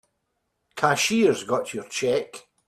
Cashier's got your check.